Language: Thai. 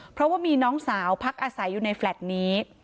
เพราะว่ามีน้องสาวพักอาศัยอยู่ในแฟลต์นี้